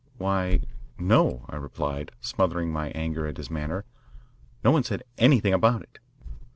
"Why, no," I replied, smothering my anger at his manner. "No one said anything about it."